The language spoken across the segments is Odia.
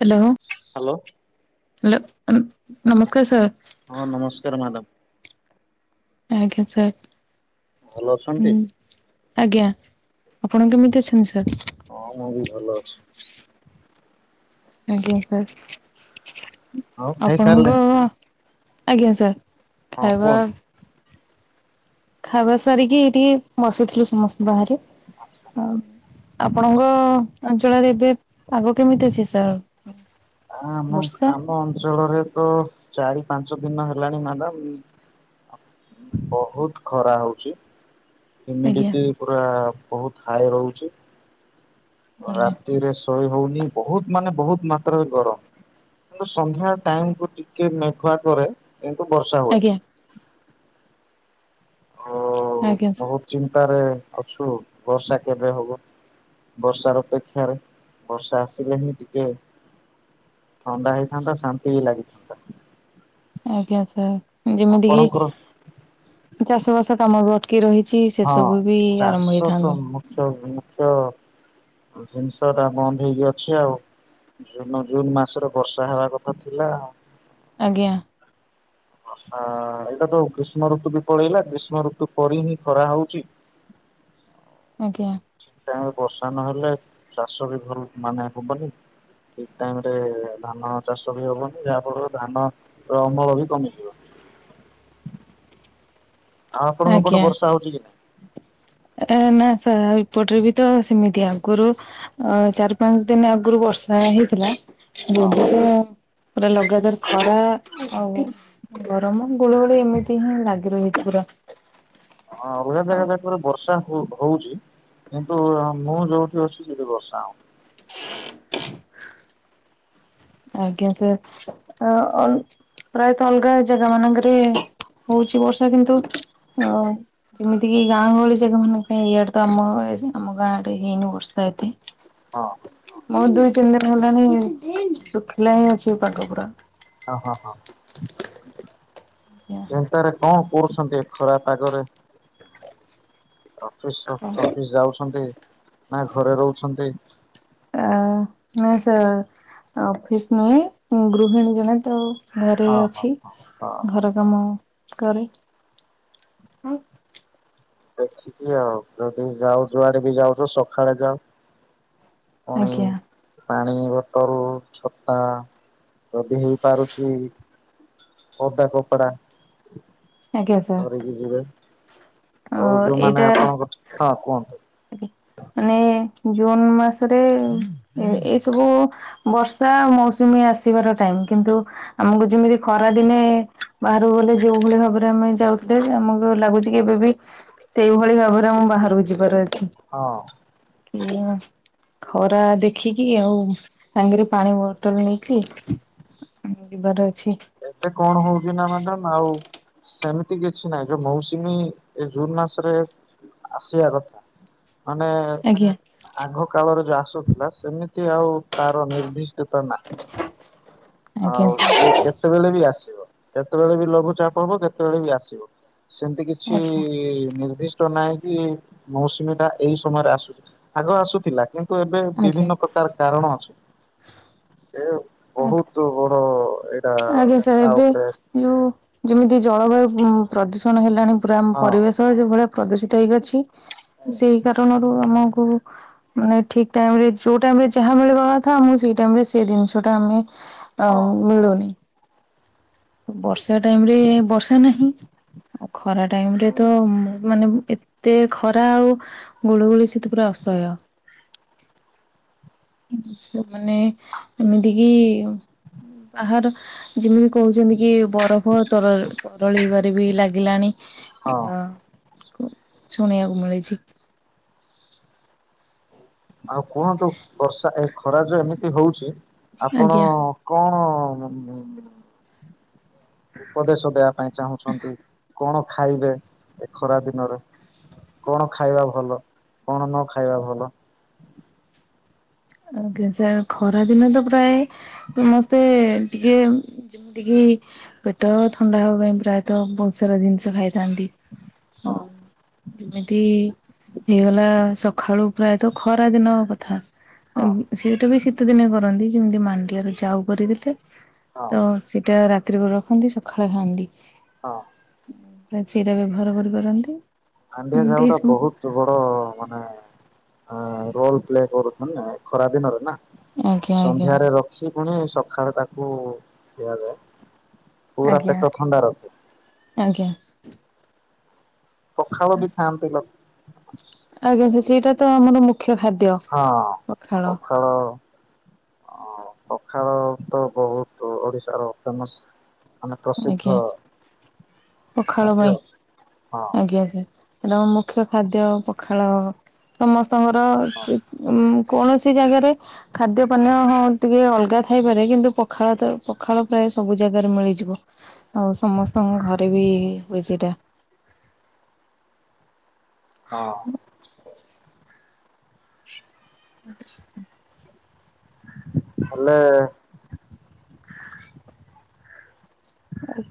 ହ୍ୟାଲୋ ହ୍ୟାଲୋ ହଲୋ ଉ ନମସ୍କାର ସାର୍ ହଁ ନମସ୍କାର ମ୍ୟାଡ଼ାମ ଆଜ୍ଞା ସାର୍ ଭଲ ଅଛନ୍ତି? ହୁଁ ଆଜ୍ଞା ଆପଣ କେମିତି ଅଛନ୍ତି ସାର୍? ହଁ ମୁଁ ବି ଭଲ ଅଛି। ଆଜ୍ଞା ସାର୍ ଆଉ ଆପଣଙ୍କ ଖାଇସାରିଲେଣି? ଆଜ୍ଞା ସାର୍। ହଁ ଖାଇବା କୁହନ୍ତୁ। ଖାଇବା ସାରିକି ଏଇଠିକି ବସିଥିଲୁ ସମସ୍ତେ ବାହାରେ ଆଉ ଆପଣଙ୍କ ଅଞ୍ଚଳରେ ଏବେ ପାଗ କେମିତି ଅଛି ସାର୍? ଆମ ଆମ ବର୍ଷା ଆମ ଅଞ୍ଚଳରେ ତ ଚାରି ପାଞ୍ଚ ଦିନ ହେଲାଣି ମ୍ୟାଡାମ ବହୁତ ଖରା ହଉଛି ଆଜ୍ଞା ହ୍ୟୁମିଡିଟି ପୁରା ବହୁତ ହାଇ ରହୁଛି ଆଜ୍ଞା ରାତିରେ ଶୋଇ ହଉନି ବହୁତ ମାନେ ବହୁତ ମାତ୍ରାରେ ଗରମ କିନ୍ତୁ ସନ୍ଧ୍ୟା ଟାଇମକୁ ଟିକେ ମେଘୁଆ କରେ କିନ୍ତୁ ବର୍ଷା ହୁଏ। ଆଜ୍ଞା ଆଉ ଆଜ୍ଞା ସା ବହୁତ ଚିନ୍ତାରେ ଅଛୁ ବର୍ଷା କେବେ ହବ। ବର୍ଷାର ଅପେକ୍ଷାରେ ବର୍ଷା ଆସିଲେ ହିଁ ଟିକେ ଥଣ୍ଡା ହେଇଥାନ୍ତା ଶାନ୍ତି ବି ଲାଗିଥାନ୍ତା। ଆଜ୍ଞା ସାର୍ ଯେମିତିକିି ଆପଣଙ୍କର ଚାଷ ବାସ କାମ ବି ଅଟ କି ରହିଛି ସେ ସବୁ ବି ଆରମ୍ଭ ହେଇଥାନ୍ତା। ସବୁ ମୁଖ୍ୟ ଜିନିଷଟା ବନ୍ଦ ହେଇକି ଅଛି ଆଉ ଯୋଉଦିନ ଜୁନ ମାସରେ ବର୍ଷା ହେବା କଥା ଥିଲା ଆଉ ଆଜ୍ଞା। ଏଇଟା ତ ଗ୍ରୀଷ୍ମ ଋତୁ ବି ପଳେଇଲା ଗ୍ରୀଷ୍ମ ଋତୁ ପରି ହିଁ ଖରା ହଉଛି। ଆଜ୍ଞା। ଠିକ ବର୍ଷା ନହେଲେ ଚାଷ ବି ଭଲ ମାନେ ହବନି। ଠିକ ଟାଇମ ରେ ଧାନ ଚାଷ ବି ହବନି ଯାହା ଫଳରେ ଧାନ ର ଅମଳ ବି କମିଯିବ। ଆଉ ଆପଣଙ୍କ ଗୋଟେ ଆଜ୍ଞା ବର୍ଷା ହଉଛି କି? ଏ ନା ସାର୍ ଏପଟରେ ବି ତ ସେମିତି ଆଗରୁ ଅ ଚାରି ପାଞ୍ଚ ଦିନ ଆଗରୁ ବର୍ଷା ହେଇଥିଲା ହଁ ପୁରା ଲଗାତାର ଖରା ଆଉ ଗରମ ଗୋଳି ଗୋଳି ଏମିତି ହିଁ ଲାଗି ରହଛି ପୁରା। ହଁ ଆଉ ଜାଗ ବର୍ଷା ହଉଛି କିନ୍ତୁ ମୁଁ ଯୋଉଠି ଅଛି ସେଠି ବର୍ଷା ହଉ। ଆଜ୍ଞା ସାର୍ ପ୍ରାୟତଃ ଅଲଗା ଜାଗା ମାନଙ୍କରେ ହଉଛି ବର୍ଷା କିନ୍ତୁ ଅ ଯେମିତି କିି ଗାଁ ଗହଳି ଜାଗା ମାନଙ୍କ ପାଇଁ ଇଆଡେ ତ ଆମ ଆମ ଗାଁ ଆଡେ ଇନି ବର୍ଷା ଏତେ। [unintelligible] ହଁ। ମୋ ଦୁଇ ତିନି ଦିନ ହେଲାଣି ଶୁଖିଲା ହିଁ ଅଛି ପାଠ ପୁରା। ହ ହଁ ହଁ ଆଜ୍ଞା। ଚିନ୍ତାରେ କଣ କହିଛନ୍ତି ଖରାପ ଆଗରେ। ଅଫିସ ଅଫିସ ଯାଉଛନ୍ତି ନା ଘରେ ରହୁଛନ୍ତି। ଆ ନାଇଁ ସାର୍ ଅଫିସ ନୁହେଁ ଗୃହିଣୀ ଜଣେ ତ ଘରେ ହଁ ହଁ। ଅଛି ହଁ ହଁ ଘର କାମ କରେ। ଦେଖିକି ଆଉ ଯଦି ଯାଉ ଯୁଆଡେ ବି ଯାଉଛ ସକାଳେ ଯାଉ। ପୁଣି ଆଜ୍ଞା ପାଣି ବଟଲ ଛତା ଯଦି ହେଇପାରୁଛି ଓଦା କପଡା ଆଜ୍ଞା ସାର୍ ଧରିକି ଯିବେ। ଅ ଆଉ ଯୋଉମାନେ ଏଇଟା ଆପଣଙ୍କ ହଁ କୁହନ୍ତୁ। ମାନେ ଜୁନ ମାସରେ ଏଇ ସବୁ ବର୍ଷା ମୌସୁମୀ ଆସିବାର ଟାଇମ କିନ୍ତୁ? ଆମକୁ ଯେମିତି ଖରା ଦିନେ ବାହାରୁକୁ ଗଲେ ଯୋଉ ଭଳି ଭାବରେ ଆମେ ଯାଉଥିଲେ ଆମକୁ ଲାଗୁଛି ଏବେ ବି ସେଇଭଳି ଭାବରେ ମୁଁ ବାହାରକୁ ଯିବାର ଅଛି। ହଁ। [unintelligible] ଖରା ଦେଖିକି ଆଉ ସାଙ୍ଗରେ ପାଣି ବୋତଲ ନେଇକି। ହଁ ଯିବାର ଅଛି। ଏବେ କଣ ହଉଛି ନା ମନେ ଆଉ ସେମିତି କିଛି ନହିଁ ଯୋଉ ମୌସୁମୀ ଏ ଜୁନ ମାସରେ ଆସିବା କଥା। ମାନେ। ଆଜ୍ଞା। ଆଗ କାଳରେ ଯୋଉ ଆସୁଥିଲା ସେମିତି ଆଉ ତାର ନିର୍ଦ୍ଦିଷ୍ଟତା ନାହିଁ। ଆଜ୍ଞା ହଉ କେତେବେଳେ ବି ଆସିବ କେତେବେଳେ ବି ଲଘୁଚାପ ହବ କେତେବେଳେ ବି ଆସିବ ସେମିତି କି କିଛି ଆଜ୍ଞା ନିର୍ଦ୍ଦି ନହିଁ କି ମୌସୁମୀ ଟା ଏଇ ସମୟରେ ଆସୁଛି ଆଗ ଆସୁଥିଲା କିନ୍ତୁ ଏବେ ଆଜ୍ଞା ବିଭିନ୍ନ ପ୍ରକାର ତାର କାରଣ ଅଛି ସେ ଆଜ୍ଞା ବହୁତ ବଡ ଏଇଟା ଆଜ୍ଞା ସାର୍ ଆ ଏବେ ଉପରେ ଯଉ ଯେମିତି ଜଳବାୟୁ ପ୍ରଦୂଷଣ ହେଲାଣି ପୁରା ଆମ ହଁ ପରିବେଶ ଯ ଭଳିଆ ପ୍ରଦୂଷିତ ହେଇକ ଅଛି ସେଇ କାରଣରୁ ଆମକୁ ମାନେ ଠିକ ଟାଇମ ରେ ଯୋଉ ଟାଇମ ରେ ଯାହା ମିଳିବା କଥା ମୁ ସେଇ ଟାଇମ ରେ ସେ ଜିନିଷ ଟା ଆମେ ହଁ ଆଉ ମିଳୁନି। ବର୍ଷା ଟାଇମ ରେ ବର୍ଷା ନାହିଁ ଆଉ ଖରା ଟାଇମରେ ତ ମାନେ ଏ ସେେ ଖରା ଆଉ ଗୁଳୁ ଗୋଳି ସେତ ପୁରା ଅସହ୍ୟ। ସେମାନେ ଏମିତି କିି ଆ। ଯେମିତି କହୁଛନ୍ତି କି ବରଫ ତର ତରଳିବାରେ ବି ଲାଗିଲାଣି। ହଁ। ଆ କୁ ଶୁଣିବାକୁୁ ମିଳି। ଆଉ କୁହନ୍ତୁ ବର୍ଷା ଏ ଖରା ଜ ଏମିତି ହଉଛି ଆପଣ ଆଜ୍ଞା କଣ ଉପଦେଶ ଦେବା ପାଇଁ ଚାହୁଁଛନ୍ତି କଣ ଖାଇବେ ଏ ଖରା ଦିନରେ। କଣ ଖାଇବା ଭଲ କଣ ନ ଖାଇବା ଭଲ। ଆ ଗ ସାର୍ ଖରା ଦିନେ ତ ପ୍ରାୟ ସମସ୍ତେ ଟିକେ ଯେମିତିକି ପେଟ ଥଣ୍ଡା ହେବା ପାଇଁ ପ୍ରାୟତଃ ବହୁତ ସାରା ଜିନିଷ ଖାଇଥାନ୍ତି। ହଁ ଯେମିତି ହେଇଗଲା ସକାଳୁ ପ୍ରାୟତଃ ଖରାଦିନ କଥା। ହଁ ସେଟା ବି ଶୀତ ଦିନେ କରନ୍ତି ଯେମିତି ମାଣ୍ଡିଆରୁ ଯାଉ କରିଦେଲେ ହଁ ତ ସେଇଟା ରାତିରେ ରଖନ୍ତି ସକାଳେ ଖାଆନ୍ତି। ହଁ ପୁରା ଚିରା ବ୍ୟବହାର କରିପାରନ୍ତି। ମାଣ୍ଡିଆ ଜାଉ ଏମିତି ର ସବୁ ବହୁତ ତ ବଡ ମାନେ ରୋଲ ପ୍ଲେ କରୁ ନା ଖରାଦିନରେ ନା ଆଜ୍ଞା ଆଜ୍ଞା ସନ୍ଧ୍ୟାରେ ରଖି ପୁଣି ସକାଳେ ତାକୁ ଖିଆଯାଏ। ପୁରା ଆଜ୍ଞା। ପେଟ ଥଣ୍ଡା ରଖେ। ଆଜ୍ଞା। ପଖାଳ ବି ଖାଆନ୍ତି ଲୋକ ଆଜ୍ଞା ସେ ସେଇଟା ତ ଆମର ମୁଖ୍ୟ ଖାଦ୍ୟ। ହଁ ପଖାଳ ଅ ପଖାଳ ତ ବହୁତ ଓଡ଼ିଶାର ଫେମସ। ଆଜ୍ଞା ପଖାଳ ଖାଦ୍ୟ ପାଇଁ ହଁ ହଁ ଆଜ୍ଞା ସାର୍। ଏବଂ ମୁଖ୍ୟ ଖାଦ୍ୟ ପଖାଳ ସମସ୍ତଙ୍କର ସେ ଉ କୌଣସି ଜାଗାରେ ଖାଦ୍ୟ ପାନୀୟ ହ ଟିକେ ଅଲଗା ଥାଇପାରେ କିନ୍ତୁ ପଖାଳ ପଖାଳ ପ୍ରାୟ ସବୁ ଜାଗାରେ ମିଳିଯିବ। ଆଉ ସମସ୍ତଙ୍କ ଘରେ ବି ହୁଏ ସେଇଟା। ହଁ। ହେଲେ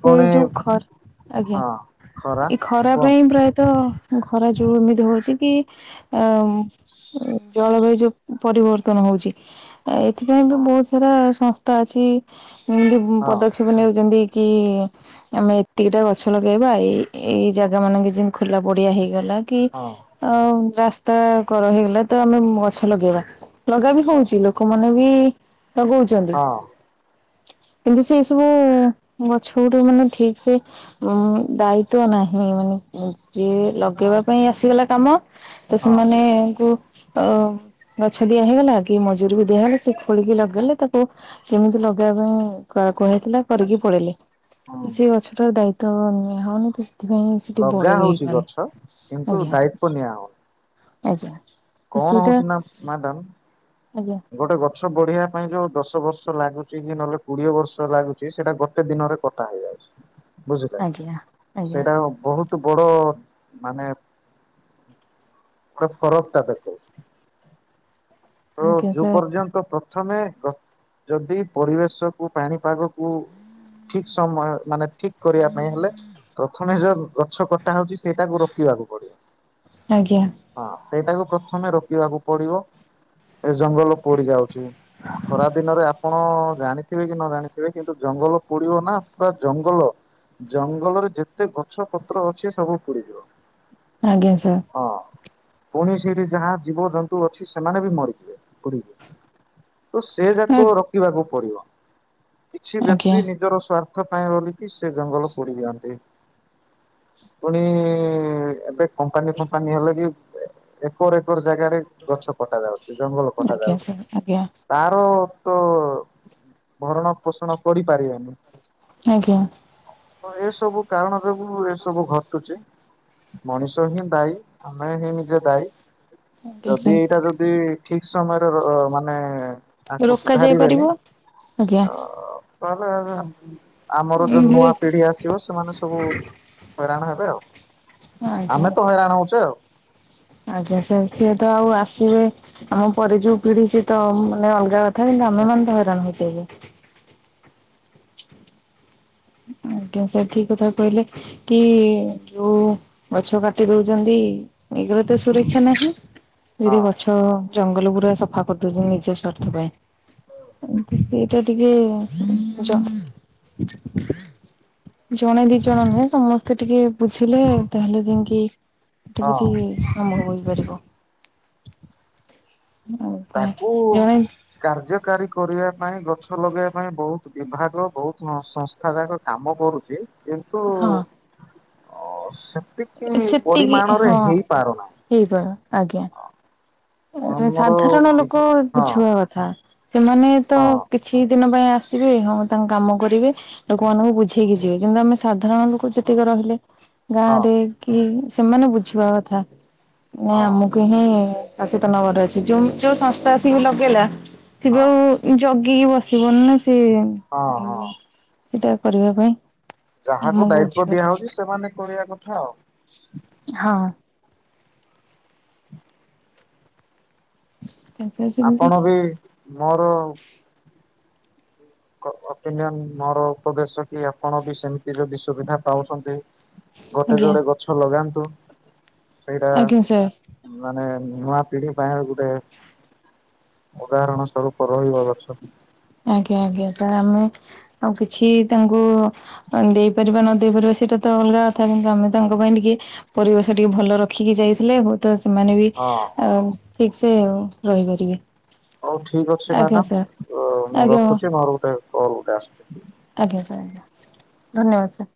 ସେ ପୁଣି ଯୋଉ ଖର ଆଜ୍ଞା ହଁ ଏଇ ଖରା ପାଇଁ ପ୍ରାୟତଃ ଘରା ଯୋଉ ଏମିତି ହଉଛି କି ଆ ଜଳବାୟୁ ଯୋଉ ପରିବର୍ତ୍ତନ ହଉଛି ଏଥିପାଇଁ ବି ହଁ ବହୁତ ସାରା ସଂସ୍ଥା ଅଛି ଯେମିତି ହଁ ପଦକ୍ଷେପ ନେଉଛନ୍ତି। କି ଆମେ ଏତିକି ଟା ଗଛ ଲଗେଇବା ଏଇ ଏଇ ଜାଗା ମାନଙ୍କ ଯେମିତି ଖୋଲା ପଡିଆ ହେଇଗଲା କି ହଁ ଆଉ ରାସ୍ତା କର ହେଇଗଲା ତ ଆମେ ଗଛ ଲଗେଇବା ଲଗା ବି ହଉଛି ଲୋକମାନେ ବି ଲଗଉଛନ୍ତି। ହଁ କିନ୍ତୁ ସେଇ ସବୁ ଗଛ ଗଠୁ ମାନେ ଠିକ ସେ ଉଁ ଦାୟିତ୍ୱ ନାହିଁ ମାନେ ଯିଏ ହଁ ଲଗେଇବା ପାଇଁ ଆସିଗଲା କାମ ତ ହଁ ସେମାନେଙ୍କୁ ଅ ଗଛ ଦିଆ ହେଇଗଲା କି ମଜୁରୀ ବି ଦିଆ ହେଲା ସେ ଖୋଳିକି ଲଗେଇଲେ ତାକୁ କେମିତି ଲଗେଇବା ପାଇଁ କୁହାଇଥିଲା କରିକି ପଳେଇଲେ ହୁଁ ସେ ଗଛଟା ର ଦାୟିତ୍ୱ ନିଆ ହଉନି ତ ସେଥିପାଇଁ ସେଠି ଲଗା ବଡ ବି ହଉଛି ହେଇପାରୁନି ଗଛ କିନ୍ତୁ ଆଜ୍ଞା ଦାୟିତ୍ଵ ନିଆ ହଉନି ଆଜ୍ଞା। ତ କଣ ସେଇଟା ହଉଛି ନା ମ୍ୟାଡ଼ାମ ଆଜ୍ଞା। ଗୋଟେ ଗଛ ବଢିବା ପାଇଁ ଯୋଉ ଦଶ ବର୍ଷ ଲାଗୁଛି କି ନହେଲେ କୋଡିଏ ବର୍ଷ ଲାଗୁଛି ସେଇଟା ଗୋଟେ ଦିନରେ କଟା ହେଇଯାଉଛି। ବୁଝିଲେ ଆଜ୍ଞା ଆଜ୍ଞା ସେଇଟା ବହୁତ ବଡ ମାନେ ଟା ଫରକ ଟା ଦେଖ ତ ଆଜ୍ଞା ଯୋଉ ସାର୍ ପର୍ଯ୍ୟନ୍ତ ପ୍ରଥମେ ଯଦି ପରିବେଶକୁ ପାଣିପାଗକୁ ଠିକ ସମୟ ମାନେ ଠିକ କରିବା ପାଇଁ ହେଲେ ପ୍ରଥମେ ଯ ଗଛ କ ଟା ହଉଛି ସେଇଟାକୁ ରୋକିବାକୁ ଆଜ୍ଞା ପଡିବ। ହଁ ସେଇଟାକୁ ପ୍ରଥମେ ରୋକିବାକୁ ପଡିବ। ଏ ଜଙ୍ଗଲ ପୋଡି ଯାଉଛି ଖରା ଦିନରେ ଆପଣ ଜାଣି ଥିବେ କି ନ ଜଣିଥିବେ କିନ୍ତୁ ଜଙ୍ଗଲ ପୋଡିବ ନା ପୁରା ଜଙ୍ଗଲ ଜଙ୍ଗଲରେ ଯେତେ ଗଛ ପତ୍ର ଅଛି ସବୁ ପୁଡିଯିବ। ଆଜ୍ଞା ସାର୍। ହଁ ପୁଣି ସେଠି ଯାହା ଜୀବଜନ୍ତୁ ଅଛି ସେମାନେ ବି ମରି ତ ସେ ଯାକ ରୋକିବାକୁ ପଡିବ। କିଛି ଆଜ୍ଞା ବ୍ୟକ୍ତି ନିଜର ସ୍ୱାର୍ଥ ପାଇଁ ବୋଲିକି ସେ ଜଙ୍ଗଲ ପୋଡ଼ି ଦିଅନ୍ତି। ପୁଣି ଏବେ କମ୍ପାନୀ ଫମ୍ପାନୀ ହେଲେ କି ଏକର ଏକର ଜାଗାରେ ଗଛ କଟା ଯାଉଛି। ଜଙ୍ଗଲ କଟା ଆଜ୍ଞା ଯାଉଛି। ସାର୍ ଆଜ୍ଞା ତାର ତ ଭରଣ ପୋଷଣ କରିପାରିବନି। ଆଜ୍ଞା। ତ ଏସବୁ କାରଣ ଯୋଗୁ ଏ ସବୁ ଘଟୁଛି। ମଣିଷ ହିଁ ଦାୟୀ। ଆମେ ହିଁ ନିଜେ ଦାୟୀ। ଆଜ୍ଞା ଯଦି ଏଇଟା ସାର୍ ଯଦି ଠିକ୍ ସମୟରେ ମାନେ ତାକୁ ରୋକା ଯାଇ ସୁଧାରିବେନି ପାରିବ ଆଜ୍ଞା ଅ ତାହେଲେ ଆମର ଯୋଉ ଧୀରେ ନୂଆ ପିଢି ଆସିବ ସେମାନେ ସବୁ ହଇରାଣ ହେବେ। ଆଉ ଆଜ୍ଞା ଆମେ ତ ହଇରାଣ ହଉଛେ ଆଉ। ଆଜ୍ଞା ସ ସିଏ ତ ଆଉ ଆସିବେ ଆମ ପରେ ଯୋଉ ପିଢି ସିଏ ତ ମାନେ ଅଲଗା କଥା କିନ୍ତୁ ଆମମାନୋନ ତ ହଇରାଣ ହେଉଛେ ଏବେ। ଆ କିନ୍ତୁ ସେ ଠିକ କଥା କହିଲେ। କି ଯୋଉ ଗଛ କାଟି ଦଉଛନ୍ତି ଏ ତ ସୁରକ୍ଷା ନାହିଁ। ଯ ହଁ ଗଛ ଜଙ୍ଗଲ ପୁରା ସଫା କରିଦଉଛନ୍ତି ନିଜ ସ୍ୱାର୍ଥ ପାଇଁ ଏ ସେଇଟା ଟିକେ ଜଣେ ଦି ଜଣ ନୁହେଁ ସମସ୍ତେ ଟିକେ ବୁଝିଲେ ତାହେଲେ ଯାଇକି ଏଟେ ହଁ କିଛି ସମ୍ଭବ ହେଇପାରିବ। ଆଜ୍ଞା ତାକୁ ଜଣେ କାର୍ଯ୍ୟକାରୀ କରିବା ପାଇଁ ଗଛ ଲଗେଇବା ପାଇଁ ବହୁତ ବିଭାଗ ବହୁତ ସଂସ୍ ଦେଖ ଯାକ କାମ କରୁଛି କିନ୍ତୁ ହଁ ଅ ସେତିକି ପରିମାଣରେ ହେଇପାରୁନାହିଁ। ହେଇଗ ଆଜ୍ଞା। ଏ ଆମର ସାଧାରଣ ଲୋକ ବିଭି ହଁ ବୁଝୁିବ ଆଛ ସେମାନେ ତ ହଁ କିଛି ଦିନ ପାଇଁ ଆସିବେ ହଁ ତାଙ୍କ କାମ କରିବେ। ଲୋକମାନଙ୍କୁ ବୁଝେଇକି ଯିବେ। କିନ୍ତୁ ଆମେ ସାଧାରଣ ଲୋକ ଯେତିକି ରହିଲେ ହଁ ଗାଁରେ କି ସେମାନେ ବୁଝିବା କଥା। ମ ହଁ ଆମକୁ ହିଁ ଶାସିତ ନଗର ଅଛି। ଯୋଉ ଯୋଉ ସଂସ୍ଥା ଆସିକି ଲଗେଇଲା ସ ବି ହଁ ଆଉ କି ବସିବନି ନା ସେ ହଁ ହଁ ସେଟା କରିବା ପାଇଁ। ଯାହାକୁ ଆମକୁ ଦାୟିତ୍ୱ ବୁଝିବାର ଅଛି ଦିଆହଉଛି ସେମାନେ କରିବା କଥା ଆଉ। ହଁ। ସେମିତି ଆପଣ ବି ମୋର ପିନିଅନ ମୋର ଉପଦେଶ କି ଆପଣ ବି ସେମିତି ଯଦି ସୁବିଧା ପାଉଛନ୍ତି ଗୋଟେ ଆଜ୍ଞା ଜୋଡେ ଗଛ ଲଗାନ୍ତୁ। ସେଇଟା ଆଜ୍ଞା ସାର୍ ମାନେ ନୂଆ ପିଢି ପାଇଁ ଗୋଟେ ଉଦାହରଣ ସଵରୂପ ରହିବାର ଗଛ। ଆଜ୍ଞା ଆଜ୍ଞା ତ ଆମେ ଆଉ କିଛି ତାଙ୍କୁ ଦେଇପାରିବା ନ ଦେଇେଇ ପାରିବା ସେଇଟା ତ ଅଲଗା ତଥା କିନ୍ତୁ ଆମେ ତାଙ୍କ ପାଇଁ ଟିକେ ପରିବେଶ ଟିକେ ଭଲ ରଖିକି ଯାଇଥିଲେ ବ ତ ସେମାନେ ବି ହଁ ହଁ ଆ ଠିକ ସେ ରହିପାରିବେ। ହୋଉ ଠିକ୍ ଅଛି ଆଜ୍ଞା ସାର୍ ମ୍ୟାଡମ୍ ମୁଁ ଆଜ୍ଞା ରଖୁଛି ମୋର ଗୋଟେ କଲ୍ ଗୋଟେ ଆସୁଛି। ଆଜ୍ଞା ସାର୍ ଆଜ୍ଞା ଧନ୍ୟବାଦ ସାର୍।